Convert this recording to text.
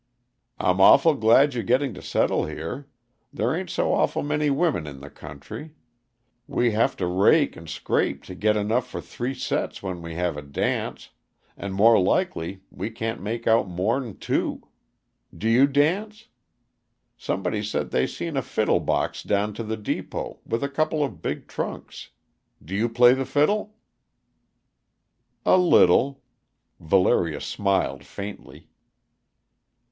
"I'm awful glad you're going to settle here there ain't so awful many women in the country; we have to rake and scrape to git enough for three sets when we have a dance and more likely we can't make out more 'n two. D' you dance? Somebody said they seen a fiddle box down to the depot, with a couple of big trunks; d' you play the fiddle?" "A little," Valeria smiled faintly.